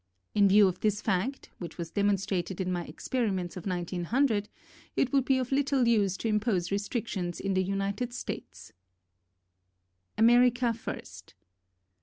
In view of this fact, which was demonstrated in my experiments of 1900, it would be of little use to impose restrictions in the United States. America First.